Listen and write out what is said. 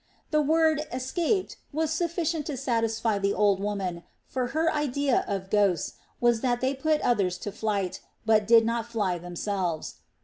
The word "escaped" was sufficient to satisfy the old woman; for her idea of ghosts was that they put others to flight, but did not fly themselves.